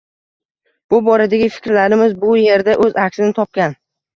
Bu boradagi fikrlarimiz bu erda o'z aksini topgan